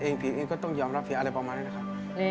เองผิดเองก็ต้องยอมรับผิดอะไรประมาณนี้นะครับ